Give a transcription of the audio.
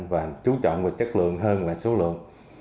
và trú trọng về chất lượng hơn là số lượng